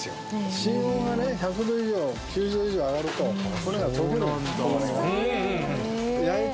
芯温がね１００度以上９０度以上上がると骨が溶けるんです